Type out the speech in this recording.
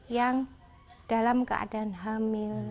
yang dalam keadaan hamil